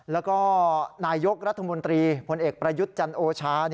แล้วก็นายกรัฐมนตรีพลเอกประยุทธ์จันโอชา